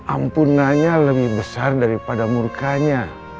ampunannya lebih besar daripada murkanya